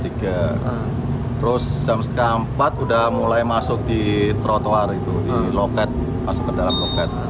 terus jam setengah empat udah mulai masuk di trotoar itu di loket masuk ke dalam loket